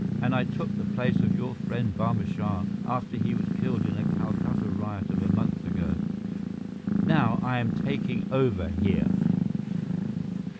"And I took the place of your friend Barma Shah after he was killed in a Calcutta riot of a month ago. Now, I am taking over here!"